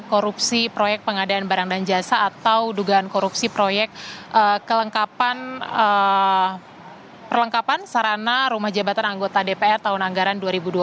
korupsi proyek pengadaan barang dan jasa atau dugaan korupsi proyek kelengkapan sarana rumah jabatan anggota dpr tahun anggaran dua ribu dua puluh